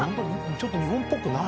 ちょっと日本っぽくない。